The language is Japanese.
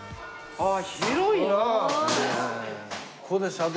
ああ！